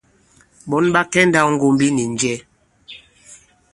Ɓɔ̌n ɓa kɛ i nndāwŋgombi nì njɛ ?